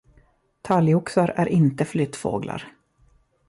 Talgoxar är inte flyttfåglar.